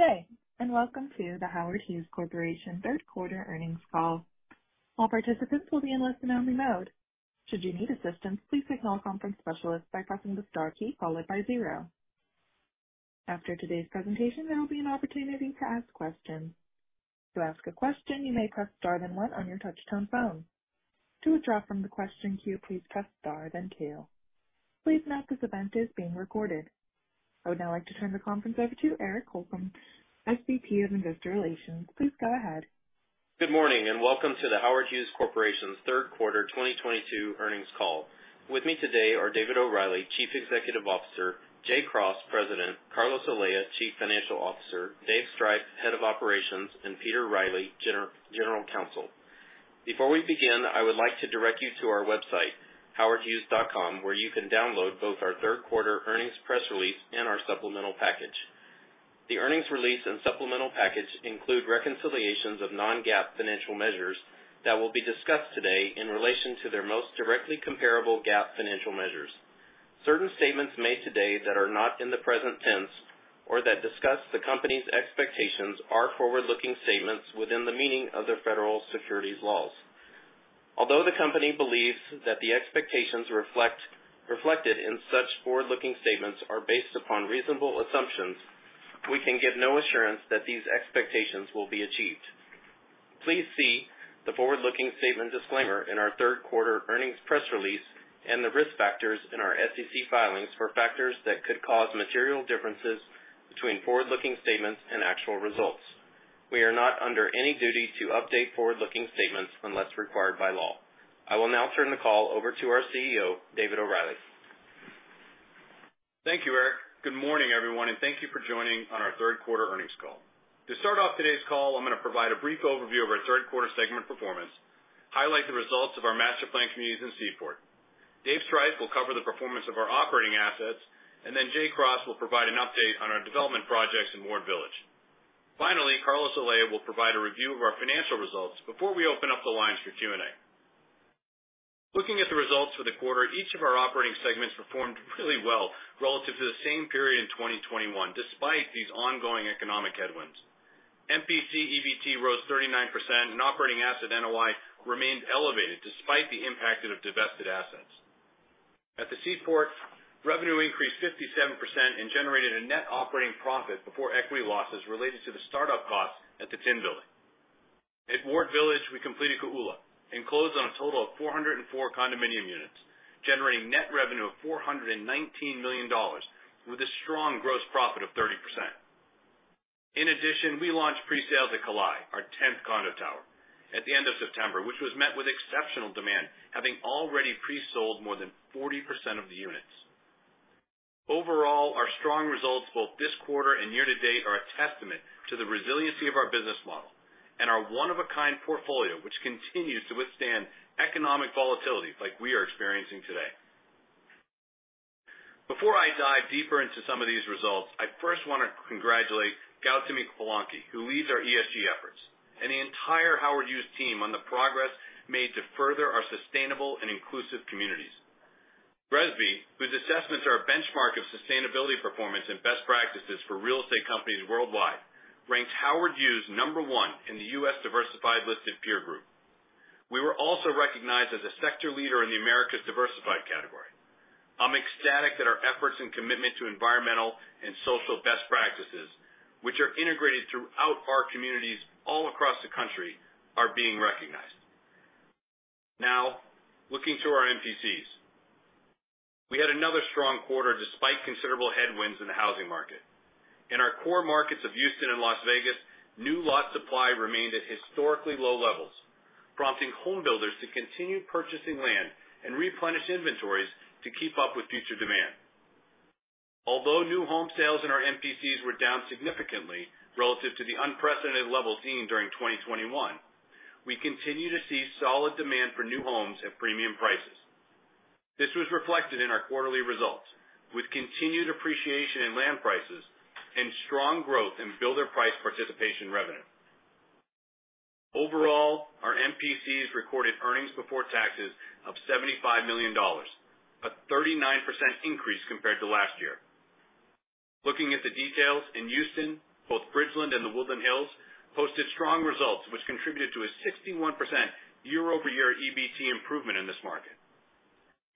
Good day, and welcome to The Howard Hughes Corporation third quarter earnings call. All participants will be in listen-only mode. Should you need assistance, please signal a conference specialist by pressing the star key followed by zero. After today's presentation, there will be an opportunity to ask questions. To ask a question, you may press star then one on your touchtone phone. To withdraw from the question queue, please press star then two. Please note this event is being recorded. I would now like to turn the conference over to Eric Holcomb, SVP of Investor Relations. Please go ahead. Good morning, and welcome to the Howard Hughes Corporation's third quarter 2022 earnings call. With me today are David O'Reilly, Chief Executive Officer, Jay Cross, President, Carlos Olea, Chief Financial Officer, Dave Striph, Head of Operations, and Peter Riley, General Counsel. Before we begin, I would like to direct you to our website, howardhughes.com, where you can download both our third quarter earnings press release and our supplemental package. The earnings release and supplemental package include reconciliations of non-GAAP financial measures that will be discussed today in relation to their most directly comparable GAAP financial measures. Certain statements made today that are not in the present tense or that discuss the company's expectations are forward-looking statements within the meaning of the federal securities laws. Although the company believes that the expectations reflected in such forward-looking statements are based upon reasonable assumptions, we can give no assurance that these expectations will be achieved. Please see the forward-looking statement disclaimer in our third quarter earnings press release and the risk factors in our SEC filings for factors that could cause material differences between forward-looking statements and actual results. We are not under any duty to update forward-looking statements unless required by law. I will now turn the call over to our CEO, David O'Reilly. Thank you, Eric. Good morning, everyone, and thank you for joining on our third quarter earnings call. To start off today's call, I'm gonna provide a brief overview of our third quarter segment performance, highlight the results of our master planned communities in Seaport. Dave Striph will cover the performance of our operating assets, and then Jay Cross will provide an update on our development projects in Ward Village. Finally, Carlos Olea will provide a review of our financial results before we open up the lines for Q&A. Looking at the results for the quarter, each of our operating segments performed really well relative to the same period in 2021, despite these ongoing economic headwinds. MPC EBT rose 39% and operating asset NOI remained elevated despite the impact of divested assets. At the Seaport, revenue increased 57% and generated a net operating profit before equity losses related to the startup costs at the Tin Building. At Ward Village, we completed Ko'ula and closed on a total of 404 condominium units, generating net revenue of $419 million with a strong gross profit of 30%. In addition, we launched pre-sales at Kalae, our 10th condo tower, at the end of September, which was met with exceptional demand, having already pre-sold more than 40% of the units. Overall, our strong results both this quarter and year-to-date are a testament to the resiliency of our business model and our one-of-a-kind portfolio, which continues to withstand economic volatility like we are experiencing today. Before I dive deeper into some of these results, I first wanna congratulate Gautami Palanki, who leads our ESG efforts, and the entire Howard Hughes team on the progress made to further our sustainable and inclusive communities. GRESB, whose assessments are a benchmark of sustainability performance and best practices for real estate companies worldwide, ranked Howard Hughes number one in the U.S. diversified listed peer group. We were also recognized as a sector leader in the Americas diversified category. I'm ecstatic that our efforts and commitment to environmental and social best practices, which are integrated throughout our communities all across the country, are being recognized. Now, looking to our MPCs. We had another strong quarter despite considerable headwinds in the housing market. In our core markets of Houston and Las Vegas, new lot supply remained at historically low levels, prompting homebuilders to continue purchasing land and replenish inventories to keep up with future demand. Although new home sales in our MPCs were down significantly relative to the unprecedented levels seen during 2021, we continue to see solid demand for new homes at premium prices. This was reflected in our quarterly results with continued appreciation in land prices and strong growth in builder price participation revenue. Overall, our MPCs recorded earnings before taxes of $75 million, a 39% increase compared to last year. Looking at the details, in Houston, both Bridgeland and The Woodlands Hills posted strong results, which contributed to a 61% year-over-year EBT improvement in this market.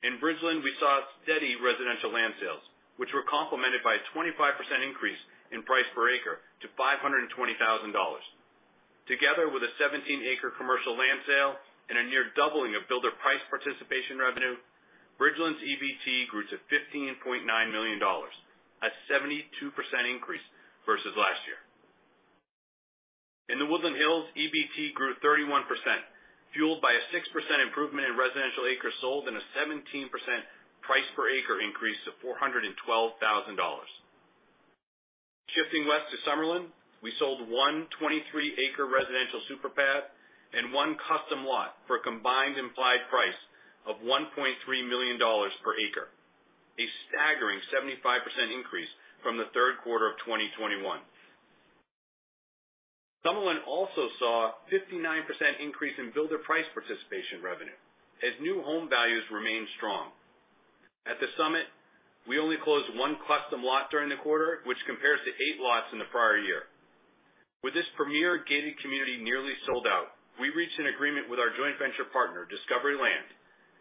In Bridgeland, we saw steady residential land sales, which were complemented by a 25% increase in price per acre to $520,000. Together with a 17-acre commercial land sale and a near doubling of builder price participation revenue, Bridgeland's EBT grew to $15.9 million, a 72% increase versus last year. In The Woodlands Hills, EBT grew 31%, fueled by a 6% improvement in residential acres sold and a 17% price per acre increase to $412,000. Shifting west to Summerlin, we sold 123-acre residential super pad and one custom lot for a combined implied price of $1.3 million per acre, a staggering 75% increase from the third quarter of 2021. Summerlin also saw a 59% increase in builder price participation revenue as new home values remain strong. At The Summit, we only closed one custom lot during the quarter, which compares to eight lots in the prior year. With this premier gated community nearly sold out, we reached an agreement with our joint venture partner, Discovery Land,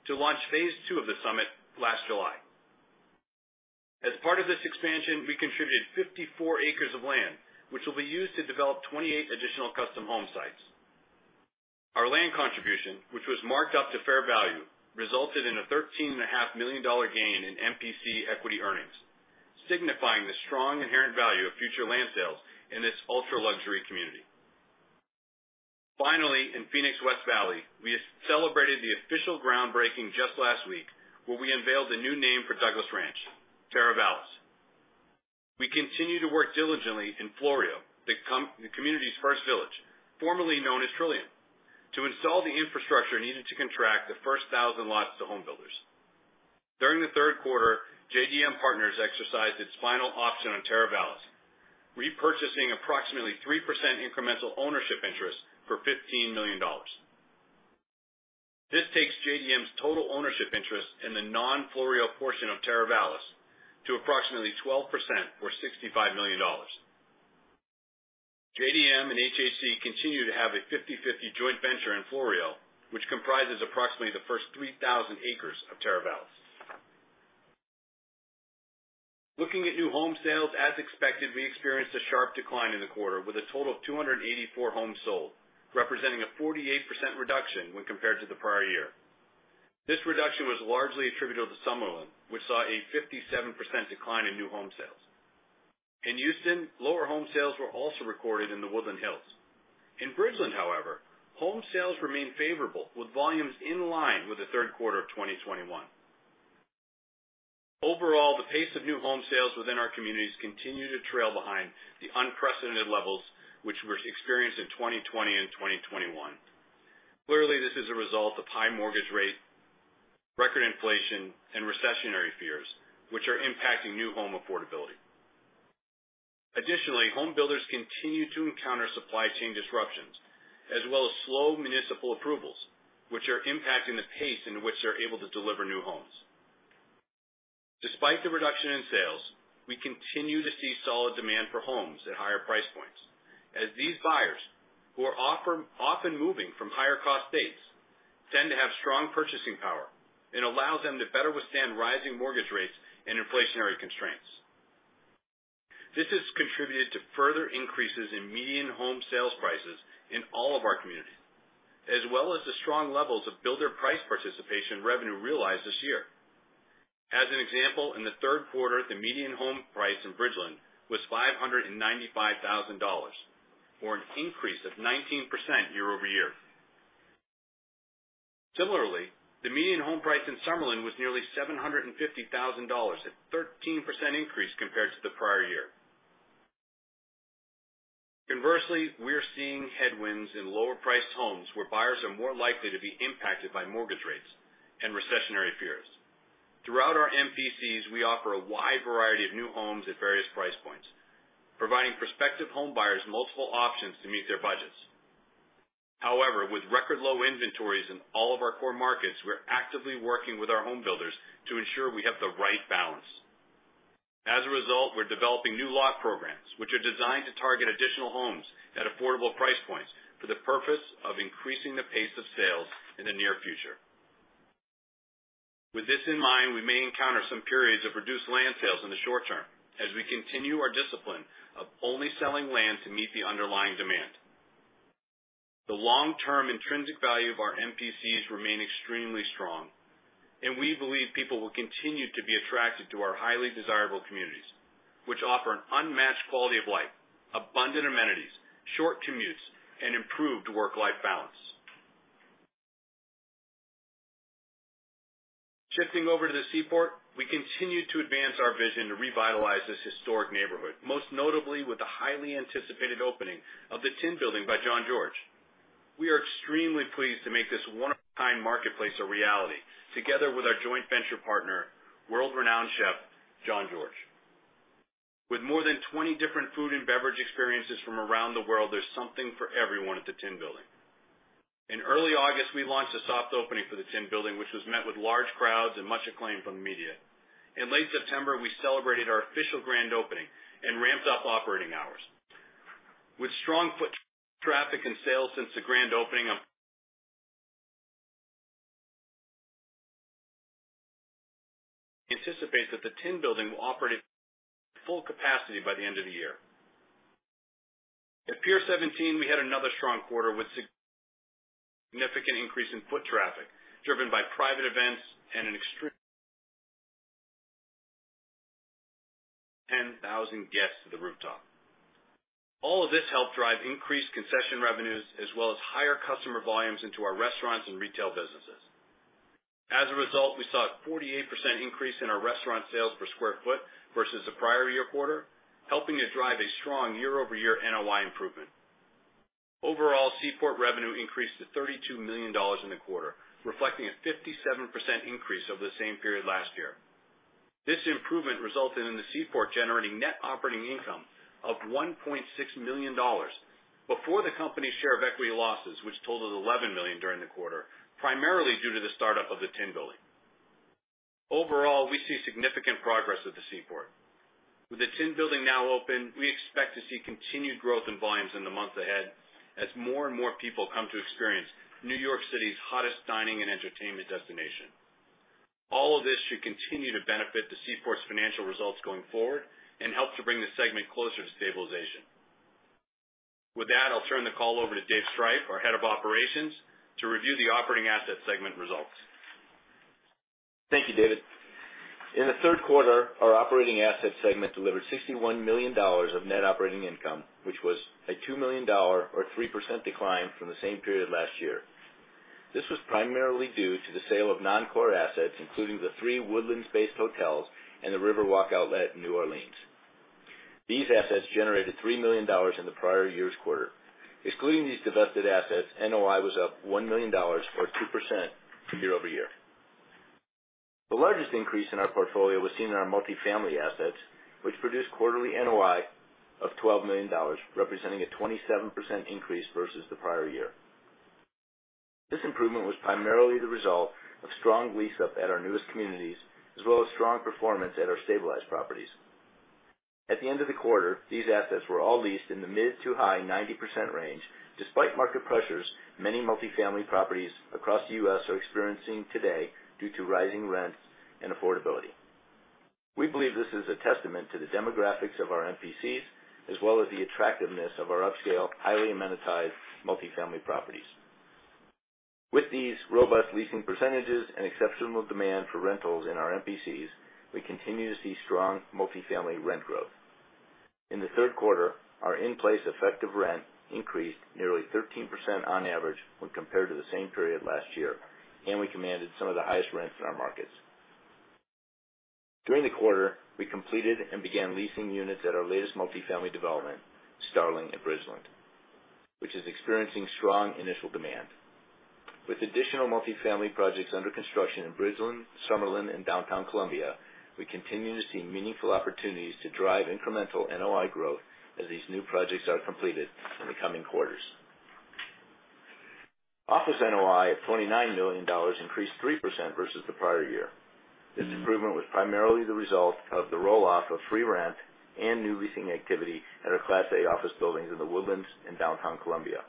to launch phase two of The Summit last July. As part of this expansion, we contributed 54 acres of land, which will be used to develop 28 additional custom home sites. Our land contribution, which was marked up to fair value, resulted in a $13.5 million gain in MPC equity earnings, signifying the strong inherent value of future land sales in this ultra-luxury community. Finally, in Phoenix West Valley, we celebrated the official groundbreaking just last week, where we unveiled the new name for Douglas Ranch, Teravalis. We continue to work diligently in Floreo, the community's first village, formerly known as Trillium, to install the infrastructure needed to contract the first 1,000 lots to home builders. During the third quarter, JDM Partners exercised its final option on Teravalis, repurchasing approximately 3% incremental ownership interest for $15 million. This takes JDM's total ownership interest in the non-Floreo portion of Teravalis to approximately 12% or $65 million. JDM and HHC continue to have a 50/50 joint venture in Floreo, which comprises approximately the first 3,000 acres of Teravalis. Looking at new home sales, as expected, we experienced a sharp decline in the quarter with a total of 284 homes sold, representing a 48% reduction when compared to the prior year. This reduction was largely attributable to Summerlin, which saw a 57% decline in new home sales. In Houston, lower home sales were also recorded in The Woodlands Hills. In Bridgeland, however, home sales remain favorable with volumes in line with the third quarter of 2021. Overall, the pace of new home sales within our communities continue to trail behind the unprecedented levels which were experienced in 2020 and 2021. Clearly, this is a result of high mortgage rate, record inflation and recessionary fears, which are impacting new home affordability. Additionally, home builders continue to encounter supply chain disruptions as well as slow municipal approvals, which are impacting the pace in which they're able to deliver new homes. Despite the reduction in sales, we continue to see solid demand for homes at higher price points as these buyers, who are often moving from higher cost states, tend to have strong purchasing power and allows them to better withstand rising mortgage rates and inflationary constraints. This has contributed to further increases in median home sales prices in all of our communities, as well as the strong levels of builder price participation revenue realized this year. As an example, in the third quarter, the median home price in Bridgeland was $595,000, or an increase of 19% year-over-year. Similarly, the median home price in Summerlin was nearly $750,000, a 13% increase compared to the prior year. Conversely, we're seeing headwinds in lower-priced homes where buyers are more likely to be impacted by mortgage rates and recessionary fears. Throughout our MPCs, we offer a wide variety of new homes at various price points, providing prospective home buyers multiple options to meet their budgets. However, with record low inventories in all of our core markets, we're actively working with our home builders to ensure we have the right balance. As a result, we're developing new lot programs, which are designed to target additional homes at affordable price points for the purpose of increasing the pace of sales in the near future. With this in mind, we may encounter some periods of reduced land sales in the short term as we continue our discipline of only selling land to meet the underlying demand. The long-term intrinsic value of our MPCs remain extremely strong, and we believe people will continue to be attracted to our highly desirable communities, which offer an unmatched quality of life, abundant amenities, short commutes, and improved work-life balance. Shifting over to the Seaport, we continue to advance our vision to revitalize this historic neighborhood, most notably with the highly anticipated opening of the Tin Building by Jean-Georges. We are extremely pleased to make this one-of-a-kind marketplace a reality together with our joint venture partner, world-renowned chef Jean-Georges. With more than 20 different food and beverage experiences from around the world, there's something for everyone at the Tin Building. In early August, we launched a soft opening for the Tin Building, which was met with large crowds and much acclaim from the media. In late September, we celebrated our official grand opening and ramped up operating hours. With strong foot traffic and sales since the grand opening, anticipate that the Tin Building will operate at full capacity by the end of the year. At Pier 17, we had another strong quarter with significant increase in foot traffic, driven by private events and an extremely... Ten thousand guests to the rooftop. All of this helped drive increased concession revenues as well as higher customer volumes into our restaurants and retail businesses. As a result, we saw a 48% increase in our restaurant sales per square foot versus the prior year quarter, helping to drive a strong year-over-year NOI improvement. Overall, Seaport revenue increased to $32 million in the quarter, reflecting a 57% increase over the same period last year. This improvement resulted in the Seaport generating net operating income of $1.6 million before the company's share of equity losses, which totaled $11 million during the quarter, primarily due to the start-up of the Tin Building. Overall, we see significant progress at the Seaport. With the Tin Building now open, we expect to see continued growth in volumes in the months ahead as more and more people come to experience New York City's hottest dining and entertainment destination. All of this should continue to benefit the Seaport's financial results going forward and help to bring the segment closer to stabilization. With that, I'll turn the call over to Dave Striph, our Head of Operations, to review the operating asset segment results. Thank you, David. In the third quarter, our operating asset segment delivered $61 million of net operating income, which was a $2 million or 3% decline from the same period last year. This was primarily due to the sale of non-core assets, including the three Woodlands-based hotels and the Riverwalk outlet in New Orleans. These assets generated $3 million in the prior year's quarter. Excluding these divested assets, NOI was up $1 million or 2% year-over-year. The largest increase in our portfolio was seen in our multifamily assets, which produced quarterly NOI of $12 million, representing a 27% increase versus the prior year. This improvement was primarily the result of strong lease-up at our newest communities, as well as strong performance at our stabilized properties. At the end of the quarter, these assets were all leased in the mid- to high-90% range, despite market pressures many multifamily properties across the U.S. are experiencing today due to rising rents and affordability. We believe this is a testament to the demographics of our MPCs, as well as the attractiveness of our upscale, highly amenitized multifamily properties. With these robust leasing percentages and exceptional demand for rentals in our MPCs, we continue to see strong multifamily rent growth. In the third quarter, our in-place effective rent increased nearly 13% on average when compared to the same period last year, and we commanded some of the highest rents in our markets. During the quarter, we completed and began leasing units at our latest multifamily development, Starling at Bridgeland, which is experiencing strong initial demand. With additional multifamily projects under construction in Bridgeland, Summerlin, and downtown Columbia, we continue to see meaningful opportunities to drive incremental NOI growth as these new projects are completed in the coming quarters. Office NOI of $29 million increased 3% versus the prior year. This improvement was primarily the result of the roll-off of free rent and new leasing activity at our Class A office buildings in The Woodlands and Downtown Columbia.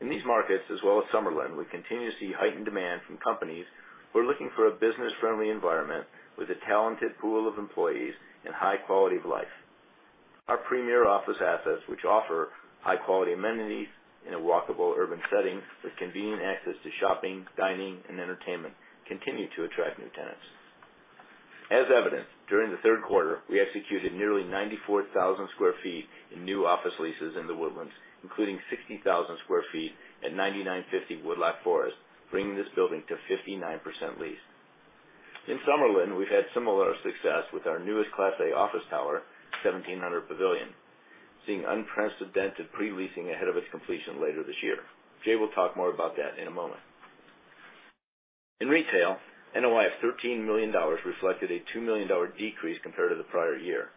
In these markets, as well as Summerlin, we continue to see heightened demand from companies who are looking for a business-friendly environment with a talented pool of employees and high quality of life. Our premier office assets, which offer high-quality amenities in a walkable urban setting with convenient access to shopping, dining, and entertainment, continue to attract new tenants. As evidenced, during the third quarter, we executed nearly 94,000 sq ft in new office leases in The Woodlands, including 60,000 sq ft at 9950 Woodloch Forest, bringing this building to 59% leased. In Summerlin, we've had similar success with our newest Class A office tower, 1700 Pavilion, seeing unprecedented pre-leasing ahead of its completion later this year. Jay will talk more about that in a moment. In retail, NOI of $13 million reflected a $2 million decrease compared to the prior year.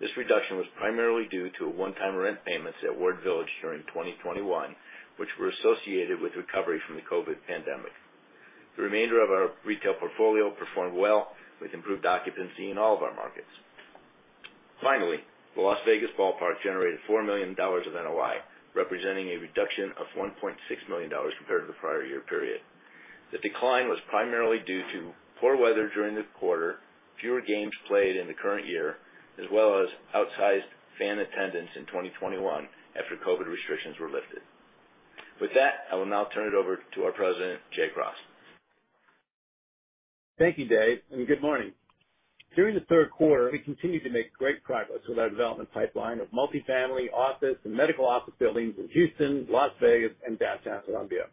This reduction was primarily due to one-time rent payments at Ward Village during 2021, which were associated with recovery from the COVID pandemic. The remainder of our retail portfolio performed well, with improved occupancy in all of our markets. Finally, the Las Vegas Ballpark generated $4 million of NOI, representing a reduction of $1.6 million compared to the prior year period. The decline was primarily due to poor weather during the quarter, fewer games played in the current year, as well as outsized fan attendance in 2021 after COVID restrictions were lifted. With that, I will now turn it over to our President, Jay Cross. Thank you, Dave, and good morning. During the third quarter, we continued to make great progress with our development pipeline of multifamily, office, and medical office buildings in Houston, Las Vegas, and Downtown Columbia.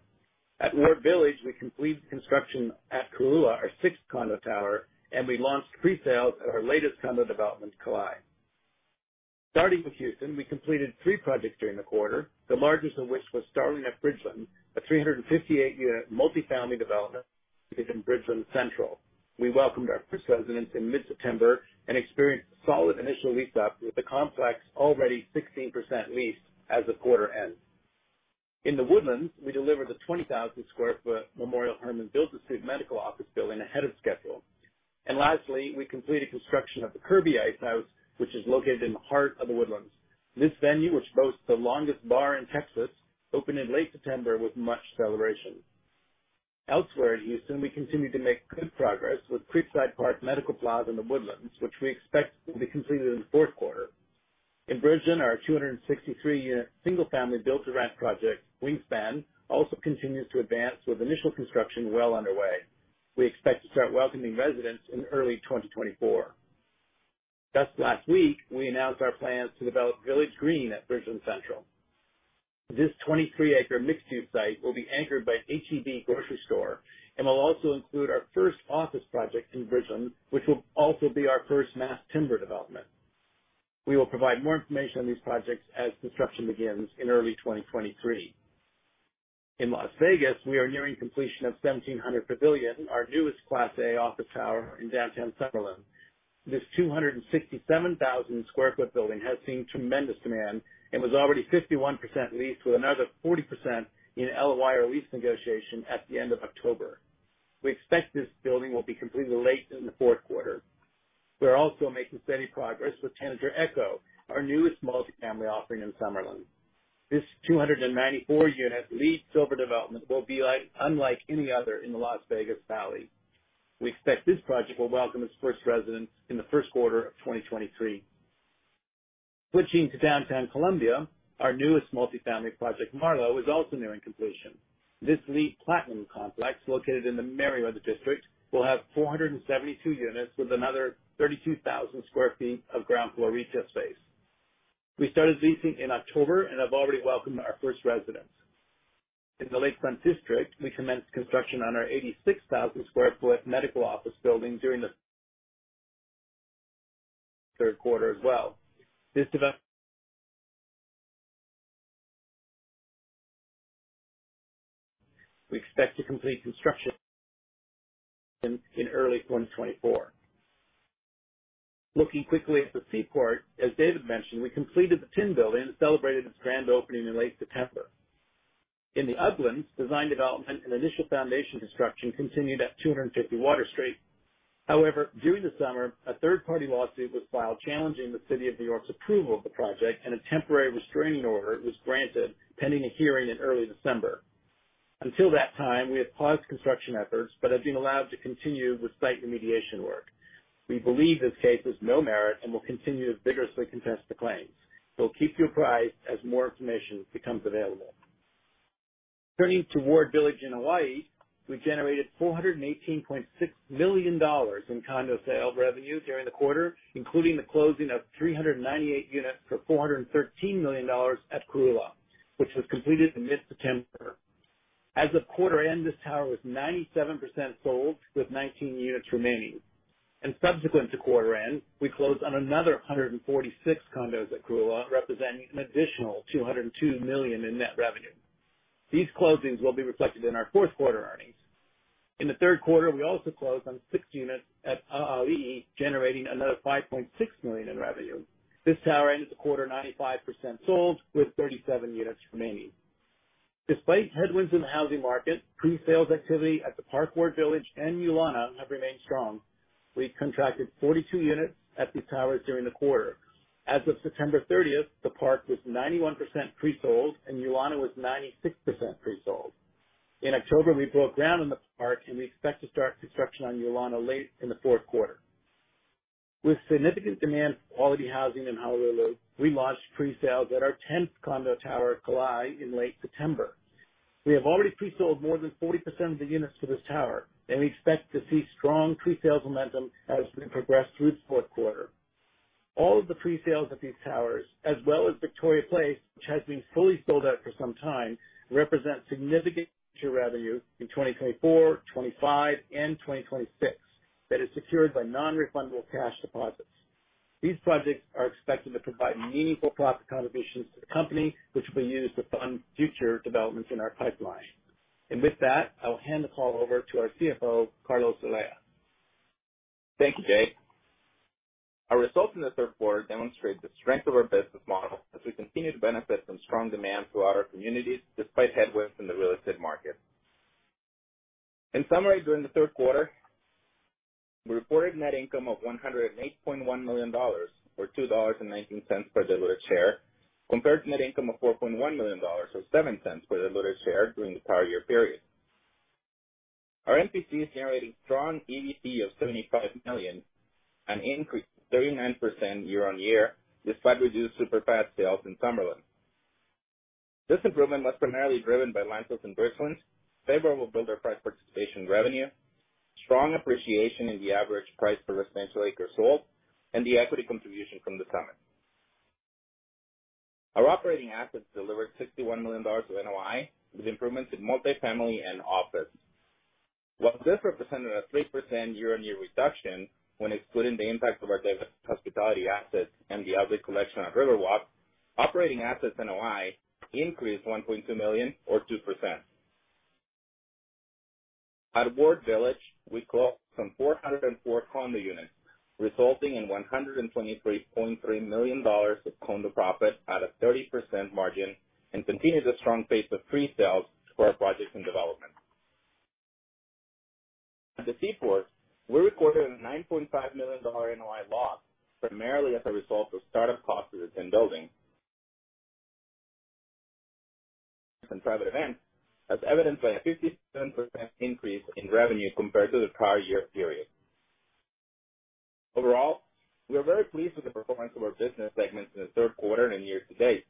At Ward Village, we completed construction at Ko'ula, our sixth condo tower, and we launched pre-sales at our latest condo development, Kalae. Starting with Houston, we completed three projects during the quarter, the largest of which was Starling at Bridgeland, a 358-unit multifamily development based in Bridgeland Central. We welcomed our first residents in mid-September and experienced solid initial lease-up, with the complex already 16% leased as the quarter ends. In The Woodlands, we delivered the 20,000-square-foot Memorial Hermann build-to-suit medical office building ahead of schedule. Lastly, we completed construction of the Kirby Ice House, which is located in the heart of The Woodlands. This venue, which boasts the longest bar in Texas, opened in late September with much celebration. Elsewhere in Houston, we continue to make good progress with Creekside Park Medical Plaza in The Woodlands, which we expect will be completed in the fourth quarter. In Bridgeland, our 263-unit single-family build-to-rent project, Wingspan, also continues to advance, with initial construction well underway. We expect to start welcoming residents in early 2024. Just last week, we announced our plans to develop Village Green at Bridgeland Central. This 23-acre mixed-use site will be anchored by an H-E-B grocery store and will also include our first office project in Bridgeland, which will also be our first mass timber development. We will provide more information on these projects as construction begins in early 2023. In Las Vegas, we are nearing completion of 1700 Pavilion, our newest Class A office tower in Downtown Summerlin. This 267,000 sq ft building has seen tremendous demand and was already 51% leased with another 40% in LOI or lease negotiation at the end of October. We expect this building will be completed late in the fourth quarter. We're also making steady progress with Tanager Echo, our newest multifamily offering in Summerlin. This 294-unit LEED Silver development will be unlike any other in the Las Vegas Valley. We expect this project will welcome its first residents in the first quarter of 2023. Switching to Downtown Columbia, our newest multifamily project, Marlow, is also nearing completion. This LEED Platinum complex located in the Merriweather District will have 472 units with another 32,000 sq ft of ground floor retail space. We started leasing in October and have already welcomed our first residents. In the Lakefront District, we commenced construction on our 86,000 sq ft medical office building during the third quarter as well. We expect to complete construction in early 2024. Looking quickly at the Seaport, as David mentioned, we completed the Tin Building and celebrated its grand opening in late September. In the Uplands, design, development and initial foundation construction continued at 250 Water Street. However, during the summer, a third party lawsuit was filed challenging the City of New York's approval of the project, and a temporary restraining order was granted pending a hearing in early December. Until that time, we have paused construction efforts but have been allowed to continue with site remediation work. We believe this case has no merit and will continue to vigorously contest the claims. We'll keep you apprised as more information becomes available. Turning to Ward Village in Hawaii, we generated $418.6 million in condo sales revenue during the quarter, including the closing of 398 units for $413 million at Ko'ula, which was completed in mid-September. As of quarter end, this tower was 97% sold with 19 units remaining. Subsequent to quarter end, we closed on another 146 condos at Ko'ula, representing an additional $202 million in net revenue. These closings will be reflected in our fourth quarter earnings. In the third quarter, we also closed on six units at 'A'ali'i, generating another $5.6 million in revenue. This tower ended the quarter 95% sold with 37 units remaining. Despite headwinds in the housing market, presales activity at The Park Ward Village and Ulana have remained strong. We've contracted 42 units at these towers during the quarter. As of September 30, The Park was 91% presold, and Ulana was 96% presold. In October, we broke ground on The Park, and we expect to start construction on Ulana late in the fourth quarter. With significant demand for quality housing in Honolulu, we launched presales at our 10th condo tower, Kalae, in late September. We have already presold more than 40% of the units for this tower, and we expect to see strong presales momentum as we progress through the fourth quarter. All of the presales at these towers, as well as Victoria Place, which has been fully sold out for some time, represent significant future revenue in 2024, 2025 and 2026 that is secured by non-refundable cash deposits. These projects are expected to provide meaningful profit contributions to the company, which will be used to fund future developments in our pipeline. With that, I will hand the call over to our CFO, Carlos Olea. Thank you, Jay. Our results in the third quarter demonstrate the strength of our business model as we continue to benefit from strong demand throughout our communities despite headwinds in the real estate market. In summary, during the third quarter, we reported net income of $108.1 million, or $2.19 per diluted share, compared to net income of $4.1 million, or $0.07 per diluted share during the prior year period. Our MPC is generating strong EVP of $75 million, an increase of 39% year-over-year, despite reduced super pad sales in Summerlin. This improvement was primarily driven by rentals in Bridgeland, favorable builder price participation revenue, strong appreciation in the average price per residential acre sold, and the equity contribution from The Summit. Our operating assets delivered $61 million of NOI with improvements in multifamily and office. While this represented a 3% year-on-year reduction when excluding the impact of our hospitality assets and The Outlet Collection at Riverwalk, operating assets NOI increased $1.2 million or 2%. At Ward Village, we closed on 404 condo units, resulting in $123.3 million of condo profit at a 30% margin, and continued the strong pace of presales for our projects in development. At the Seaport, we recorded a $9.5 million NOI loss, primarily as a result of start-up costs for the Tin Building. Private events, as evidenced by a 57% increase in revenue compared to the prior year period. Overall, we are very pleased with the performance of our business segments in the third quarter and year-to-date.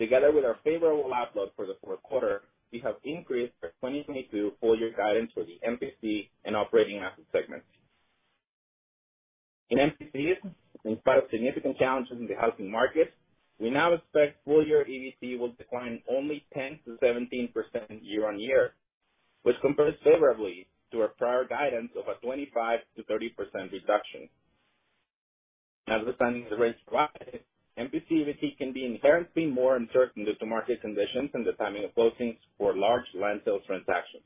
Together with our favorable outlook for the fourth quarter, we have increased our 2022 full year guidance for the MPC and operating asset segments. In MPCs, in spite of significant challenges in the housing market, we now expect full year EBT will decline only 10%-17% year-on-year, which compares favorably to our prior guidance of a 25%-30% reduction. Notwithstanding the rate rise, MPC EBT can be inherently more uncertain due to market conditions and the timing of closings for large land sales transactions.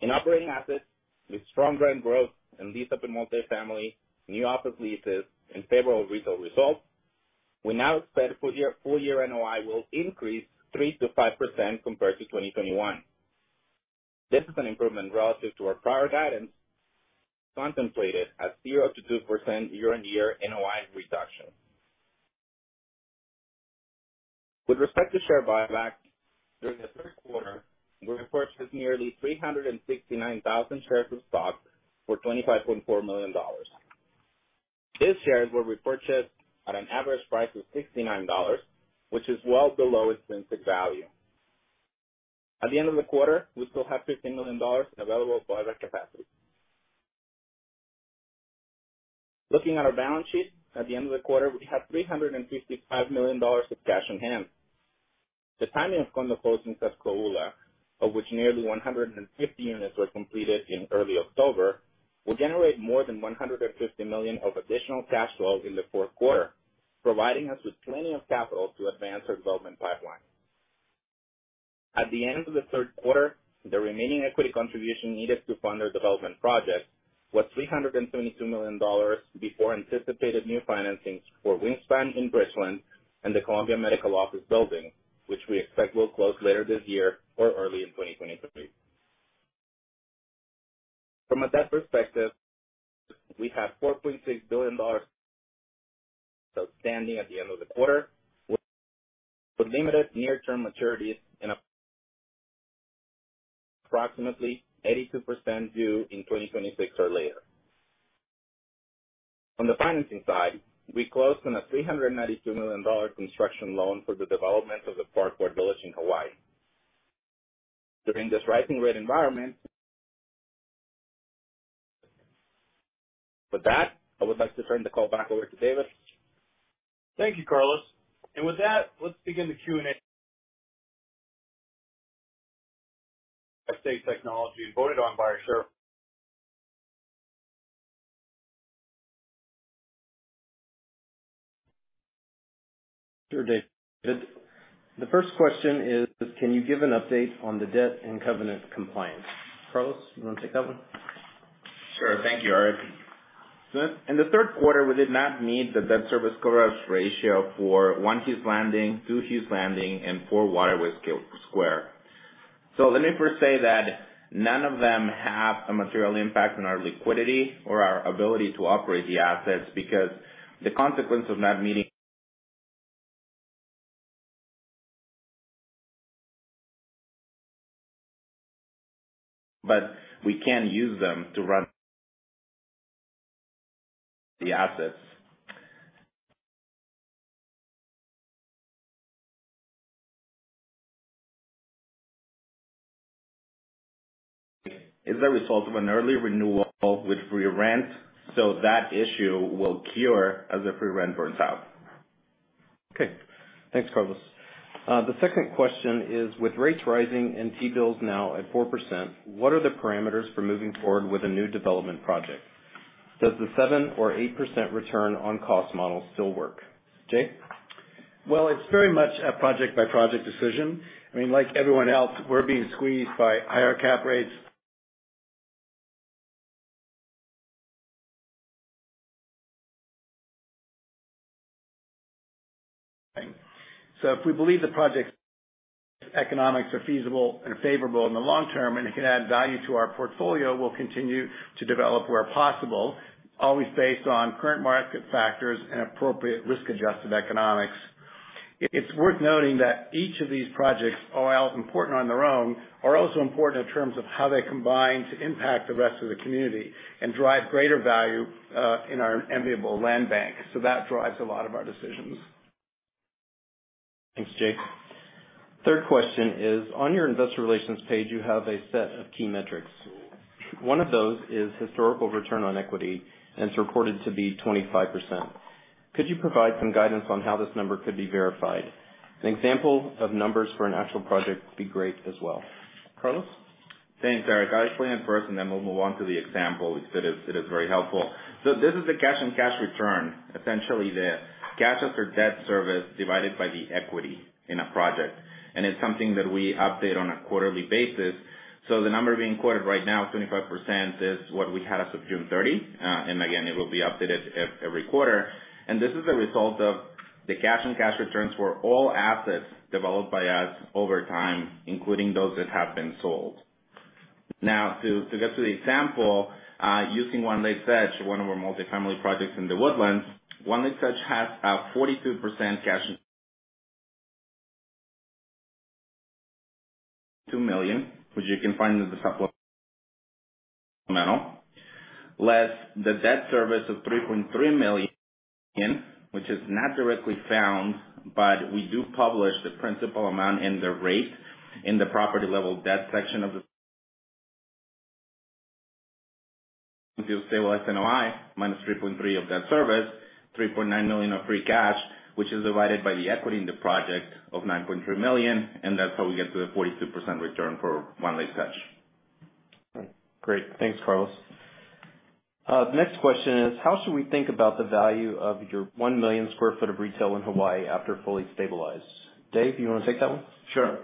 In operating assets with strong rent growth and lease up in multifamily, new office leases in favorable retail results, we now expect full year NOI will increase 3%-5% compared to 2021. This is an improvement relative to our prior guidance contemplated at 0%-2% year-on-year NOI reduction. With respect to share buyback, during the third quarter, we repurchased nearly 369,000 shares of stock for $25.4 million. These shares were repurchased at an average price of $69, which is well below its intrinsic value. At the end of the quarter, we still have $15 million available for buyback capacity. Looking at our balance sheet, at the end of the quarter, we have $355 million of cash on hand. The timing of condo closings at Ko'ula, of which nearly 150 units were completed in early October, will generate more than $150 million of additional cash flow in the fourth quarter, providing us with plenty of capital to advance our development pipeline. At the end of the third quarter, the remaining equity contribution needed to fund our development projects was $322 million before anticipated new financings for Wingspan in Bridgeland and the Columbia Medical Office Building, which we expect will close later this year or early in 2023. From a debt perspective, we have $4.6 billion outstanding at the end of the quarter with limited near-term maturities and approximately 82% due in 2026 or later. On the financing side, we closed on a $392 million construction loan for the development of The Park Ward Village in Hawaii during this rising rate environment. With that, I would like to turn the call back over to David. Thank you, Carlos. With that, let's begin the Q&A. Sure, Dave. The first question is, can you give an update on the debt and covenant compliance? Carlos, you wanna take that one? Sure. Thank you, Eric. In the third quarter, we did not meet the debt service coverage ratio for One Hughes Landing, Two Hughes Landing, and Four Waterway Square. Let me first say that none of them have a material impact on our liquidity or our ability to operate the assets because the consequence of not meeting, but we can use them to run the assets, is the result of an early renewal with re-rent, so that issue will cure as the free rent burns out. Okay. Thanks, Carlos. The second question is, with rates rising and T-bills now at 4%, what are the parameters for moving forward with a new development project? Does the 7% or 8% return on cost model still work? Jay? Well, it's very much a project-by-project decision. I mean, like everyone else, we're being squeezed by higher cap rates. If we believe the project's economics are feasible and favorable in the long term, and it can add value to our portfolio, we'll continue to develop where possible, always based on current market factors and appropriate risk-adjusted economics. It's worth noting that each of these projects, while important on their own, are also important in terms of how they combine to impact the rest of the community and drive greater value in our enviable land bank. So that drives a lot of our decisions. Thanks, Jay. Third question is, on your investor relations page, you have a set of key metrics. One of those is historical return on equity, and it's reported to be 25%. Could you provide some guidance on how this number could be verified? An example of numbers for an actual project would be great as well. Carlos? Thanks, Eric. I'll explain it first, and then we'll move on to the example because it is very helpful. This is the cash and cash return, essentially the cash after debt service divided by the equity in a project. It's something that we update on a quarterly basis. The number being quoted right now, 25%, is what we had as of June 30. And again, it will be updated every quarter. This is a result of the cash and cash returns for all assets developed by us over time, including those that have been sold. Now, to get to the example, using One Lakes Edge, one of our multifamily projects in The Woodlands. One Lakes Edge has a 42% cash, $2 million, which you can find in the supplemental, less the debt service of $3.3 million, which is not directly found, but we do publish the principal amount and the rate in the property level debt section of the... To a stabilized NOI minus $3.3 million of debt service, $3.9 million of free cash, which is divided by the equity in the project of $9.3 million, and that's how we get to the 42% return for One Lakes Edge. Great. Thanks, Carlos. The next question is: how should we think about the value of your 1 million sq ft of retail in Hawaii after fully stabilized? Dave, you wanna take that one? Sure.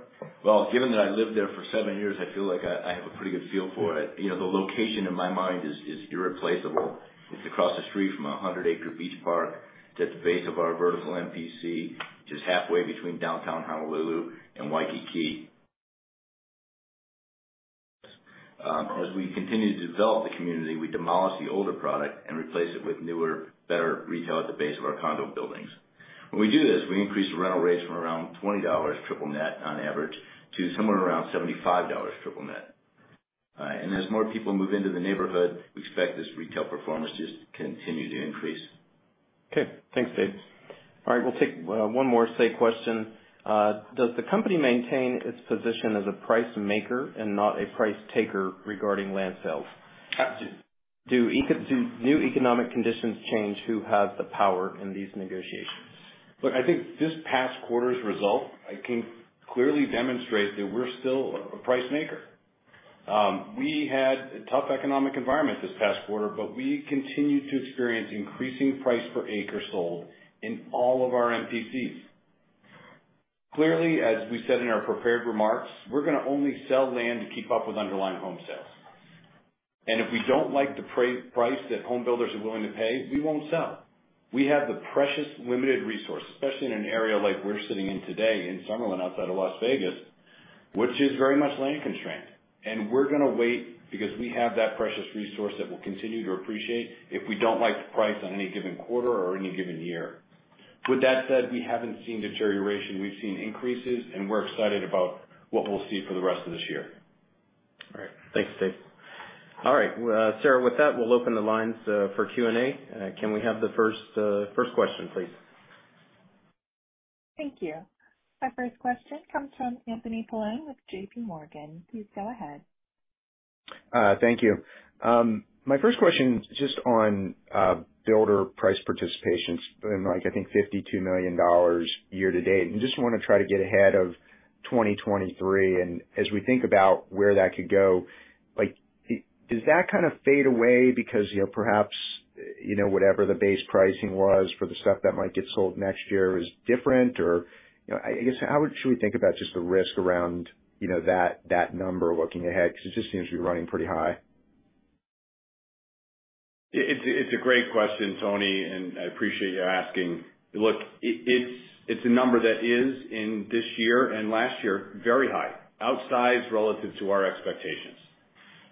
Well, given that I lived there for seven years, I feel like I have a pretty good feel for it. You know, the location in my mind is irreplaceable. It's across the street from a 100-acre beach park that's the base of our vertical MPC, just halfway between Downtown Honolulu and Waikiki. As we continue to develop the community, we demolish the older product and replace it with newer, better retail at the base of our condo buildings. When we do this, we increase the rental rates from around $20 triple net on average to somewhere around $75 triple net. As more people move into the neighborhood, we expect this retail performance to just continue to increase. Okay. Thanks, Dave. All right, we'll take one more straight question. Does the company maintain its position as a price maker and not a price taker regarding land sales? Do new economic conditions change who has the power in these negotiations? Look, I think this past quarter's result can clearly demonstrate that we're still a price maker. We had a tough economic environment this past quarter, but we continued to experience increasing price per acre sold in all of our MPCs. Clearly, as we said in our prepared remarks, we're gonna only sell land to keep up with underlying home sales. If we don't like the price that home builders are willing to pay, we won't sell. We have the precious limited resource, especially in an area like we're sitting in today in Summerlin, outside of Las Vegas, which is very much land constrained. We're gonna wait because we have that precious resource that will continue to appreciate if we don't like the price on any given quarter or any given year. With that said, we haven't seen deterioration. We've seen increases, and we're excited about what we'll see for the rest of this year. All right. Thanks, Dave. All right. Sarah, with that, we'll open the lines for Q&A. Can we have the first question, please? Thank you. My first question comes from Anthony Paolone with JPMorgan. Please go ahead. Thank you. My first question is just on builder price participations in, like, I think $52 million year-to-date. Just wanna try to get ahead of 2023. As we think about where that could go, like, does that kind of fade away because, you know, perhaps, you know, whatever the base pricing was for the stuff that might get sold next year is different? Or, you know, I guess, how should we think about just the risk around, you know, that number looking ahead? Because it just seems to be running pretty high. It's a great question, Tony, and I appreciate you asking. Look, it's a number that is, in this year and last year, very high. Outsized relative to our expectations.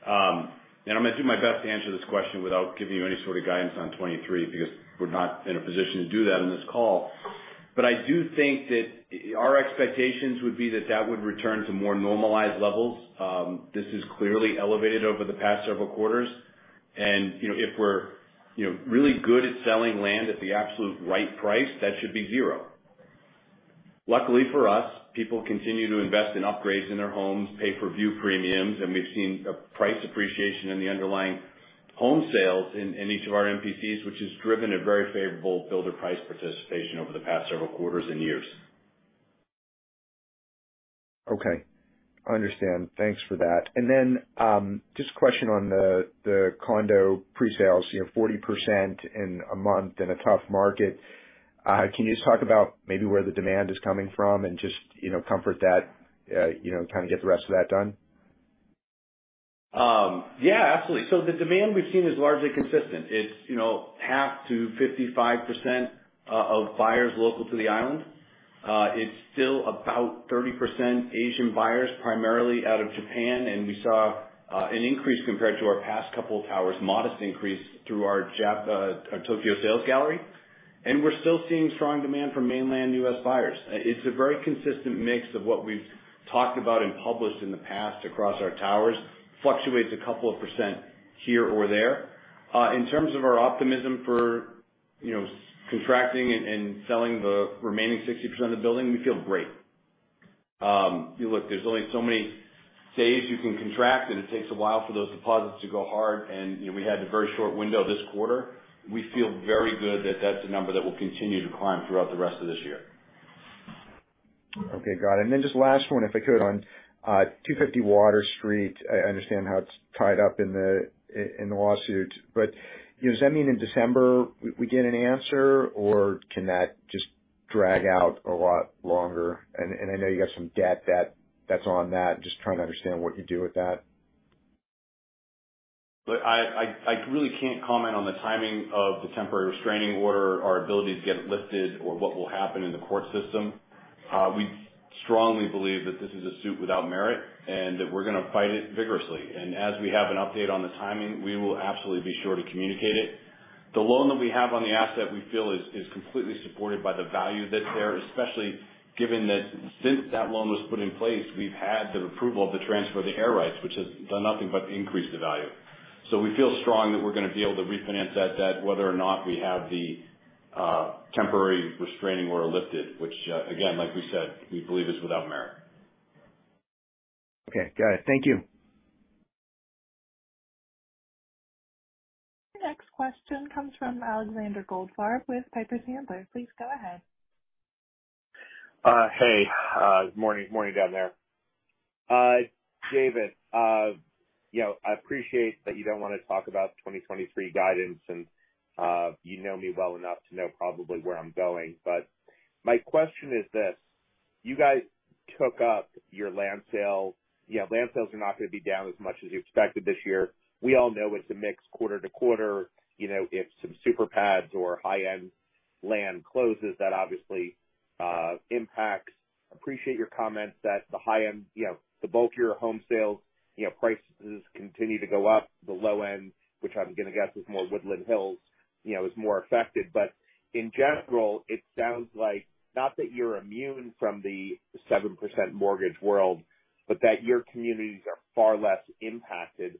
I'm gonna do my best to answer this question without giving you any sort of guidance on 2023, because we're not in a position to do that on this call. But I do think that our expectations would be that that would return to more normalized levels. This is clearly elevated over the past several quarters. You know, if we're, you know, really good at selling land at the absolute right price, that should be zero. Luckily for us, people continue to invest in upgrades in their homes, pay for view premiums, and we've seen a price appreciation in the underlying home sales in each of our MPCs, which has driven a very favorable builder price participation over the past several quarters and years. Okay. Understand. Thanks for that. Just a question on the condo presales. You know, 40% in a month in a tough market. Can you just talk about maybe where the demand is coming from and just, you know, comfort that you know kind of get the rest of that done? Yeah, absolutely. The demand we've seen is largely consistent. It's, you know, half to 55% of buyers local to the island. It's still about 30% Asian buyers, primarily out of Japan, and we saw an increase compared to our past couple of towers, modest increase through our Tokyo sales gallery. We're still seeing strong demand from mainland U.S. buyers. It's a very consistent mix of what we've talked about and published in the past across our towers. Fluctuates a couple of percent here or there. In terms of our optimism for, you know, contracting and selling the remaining 60% of the building, we feel great. If you look, there's only so many sales you can contract, and it takes a while for those deposits to go hard, and, you know, we had a very short window this quarter. We feel very good that that's a number that will continue to climb throughout the rest of this year. Okay. Got it. Just last one, if I could, on 250 Water Street. I understand how it's tied up in the lawsuit. You know, does that mean in December we get an answer, or can that just drag out a lot longer? I know you got some debt that's on that. Just trying to understand what you do with that. Look, I really can't comment on the timing of the temporary restraining order, our ability to get it lifted or what will happen in the court system. We strongly believe that this is a suit without merit and that we're gonna fight it vigorously. As we have an update on the timing, we will absolutely be sure to communicate it. The loan that we have on the asset we feel is completely supported by the value that's there, especially given that since that loan was put in place, we've had the approval of the transfer of the air rights, which has done nothing but increase the value. We feel strong that we're gonna be able to refinance that debt whether or not we have the temporary restraining order lifted, which, again, like we said, we believe is without merit. Okay. Got it. Thank you. Next question comes from Alexander Goldfarb with Piper Sandler. Please go ahead. Hey. Morning down there. David, you know, I appreciate that you don't wanna talk about 2023 guidance, and, you know me well enough to know probably where I'm going. My question is this: You guys took up your land sale. You know, land sales are not gonna be down as much as you expected this year. We all know it's a mix quarter to quarter. You know, if some super pads or high-end land closes, that obviously impacts. Appreciate your comments that the high-end, you know, the bulk of your home sales, you know, prices continue to go up. The low end, which I'm gonna guess is more Woodlands Hills, you know, is more affected. In general, it sounds like not that you're immune from the 7% mortgage world, but that your communities are far less impacted.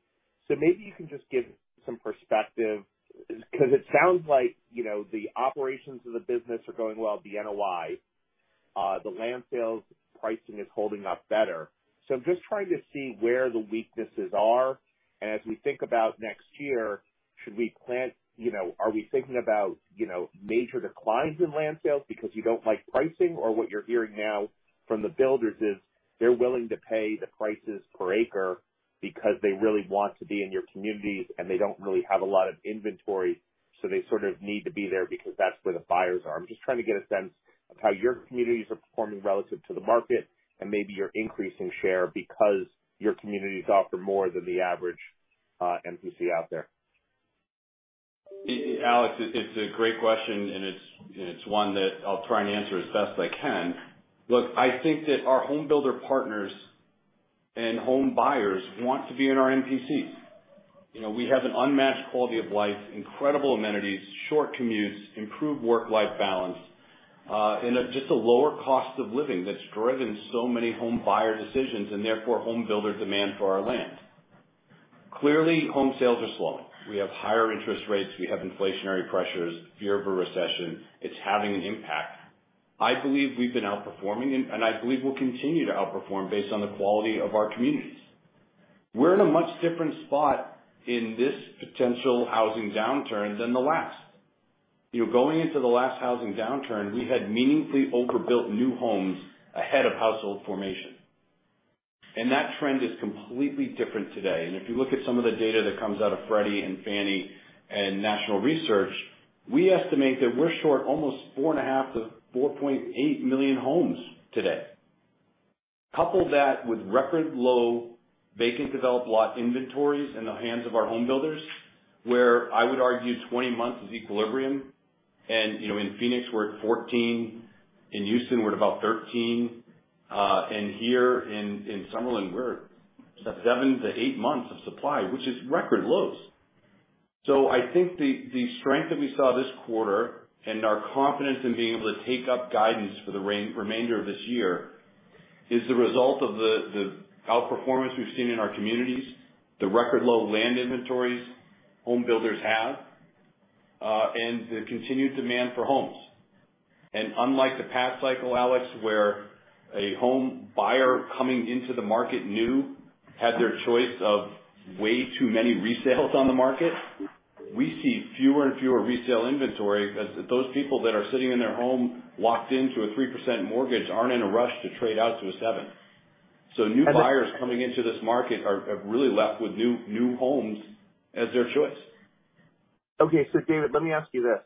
Maybe you can just give some perspective because it sounds like, you know, the operations of the business are going well, the NOI. The land sales pricing is holding up better. I'm just trying to see where the weaknesses are. As we think about next year, should we plan you know, are we thinking about, you know, major declines in land sales because you don't like pricing? Or what you're hearing now from the builders is they're willing to pay the prices per acre because they really want to be in your communities and they don't really have a lot of inventory, so they sort of need to be there because that's where the buyers are. I'm just trying to get a sense of how your communities are performing relative to the market and maybe you're increasing share because your communities offer more than the average, MPC out there. Alex, it's a great question, and it's one that I'll try and answer as best I can. Look, I think that our home builder partners and home buyers want to be in our MPC. You know, we have an unmatched quality of life, incredible amenities, short commutes, improved work-life balance, and just a lower cost of living that's driven so many home buyer decisions and therefore home builder demand for our land. Clearly, home sales are slowing. We have higher interest rates, we have inflationary pressures, fear of a recession. It's having an impact. I believe we've been outperforming, and I believe we'll continue to outperform based on the quality of our communities. We're in a much different spot in this potential housing downturn than the last. You know, going into the last housing downturn, we had meaningfully overbuilt new homes ahead of household formation. That trend is completely different today. If you look at some of the data that comes out of Freddie Mac and Fannie Mae National Research, we estimate that we're short almost 4.5-4.8 million homes today. Couple that with record low vacant developed lot inventories in the hands of our home builders, where I would argue 20 months is equilibrium. You know, in Phoenix, we're at 14, in Houston, we're at about 13, and here in Summerlin, we're at seven to eight months of supply, which is record lows. I think the strength that we saw this quarter and our confidence in being able to take up guidance for the remainder of this year is the result of the outperformance we've seen in our communities, the record low land inventories home builders have, and the continued demand for homes. Unlike the past cycle, Alex, where a home buyer coming into the market new had their choice of way too many resales on the market, we see fewer and fewer resale inventory as those people that are sitting in their home locked into a 3% mortgage aren't in a rush to trade out to a 7%. New buyers coming into this market are really left with new homes as their choice. Okay. David, let me ask you this.